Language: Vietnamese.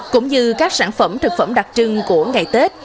cũng như các sản phẩm thực phẩm đặc trưng của ngày tết